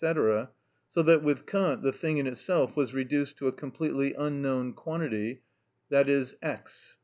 —so that with Kant the thing in itself was reduced to a completely unknown quantity = x.